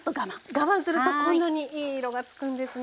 我慢するとこんなにいい色がつくんですね。